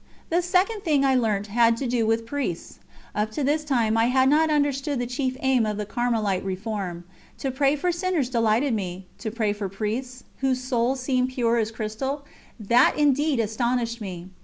The second thing I learnt had to do with Priests. Up to this time I had not understood the chief aim of the Carmelite Reform. To pray for sinners delighted me; to pray for Priests, whose souls seemed pure as crystal, that indeed astonished me.